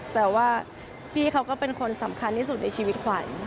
แต่ว่าพี่เขาก็เป็นคนสำคัญที่สุดในชีวิตขวัญ